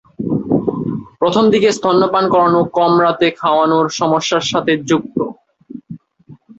প্রথম দিকে স্তন্যপান করানো কম রাতে খাওয়ানোর সমস্যার সাথে যুক্ত।